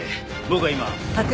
僕は今。